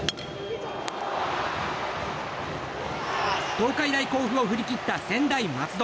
東海大甲府を振り切った専大松戸。